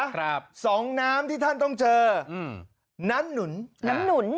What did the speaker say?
ครับสองน้ำที่ท่านต้องเจออืมน้ำหนุนน้ำหนุน